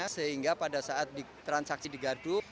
sehingga pada saat transaksi digaduh